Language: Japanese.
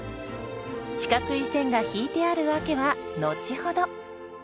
四角い線が引いてある訳は後ほど。